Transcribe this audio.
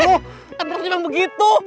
kan berarti emang begitu